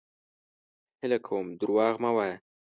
هيله کوم دروغ مه وايه!